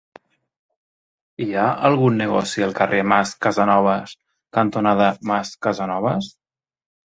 Hi ha algun negoci al carrer Mas Casanovas cantonada Mas Casanovas?